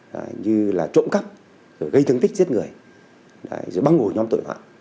như là trộm cắp gây thương tích giết người băng ngồi nhóm tội phạm